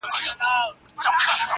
مونږه د مینې تاوانونه کړي ،